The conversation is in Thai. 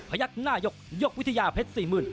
ยักหน้ายกยกวิทยาเพชร๔๐๐๐